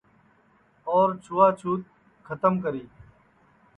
اور چھوا چھوت کھتم کری